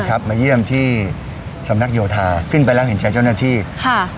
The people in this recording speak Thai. มาเยี่ยมที่สำนักโยธาขึ้นไปแล้วเห็นใจเจ้าหน้าที่ค่ะ